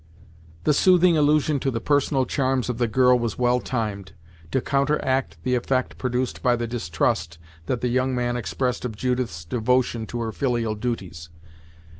The soothing allusion to the personal charms of the girl was well timed, to counteract the effect produced by the distrust that the young man expressed of Judith's devotion to her filial duties.